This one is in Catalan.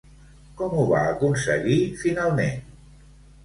Com ho va aconseguir finalment?